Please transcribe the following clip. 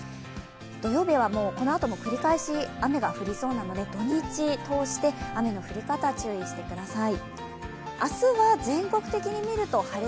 土曜日は、このあとも繰り返し、雨が降りそうなので土日通して雨の降り方注意してください。